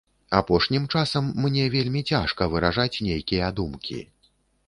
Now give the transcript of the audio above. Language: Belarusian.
Апошнім часам мне вельмі цяжка выражаць нейкія думкі.